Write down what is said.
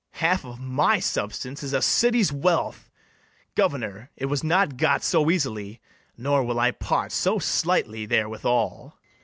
Half of my substance is a city's wealth. Governor, it was not got so easily; Nor will I part so slightly therewithal.